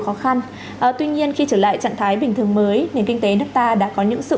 khó khăn tuy nhiên khi trở lại trạng thái bình thường mới nền kinh tế nước ta đã có những sự